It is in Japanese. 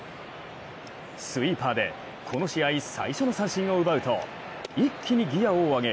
スイーパーでこの試合最初の三振を奪うと一気にギアを上げ